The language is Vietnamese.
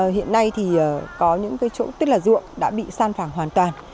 hiện nay thì có những chỗ tức là ruộng đã bị san phẳng hoàn toàn